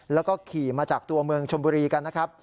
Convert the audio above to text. แล้วก็ขี่มาจากตัวเมืองชมบุรีกันนะครับ